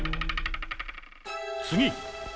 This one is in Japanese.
次！